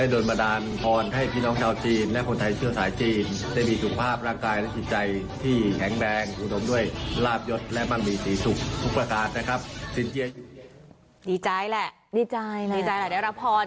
ดีใจแหละดีใจดีใจแหละได้รับพร